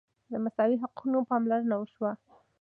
د مساوي حقونو پاملرنه وشوه.